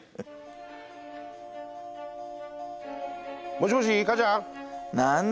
もしもし母ちゃん？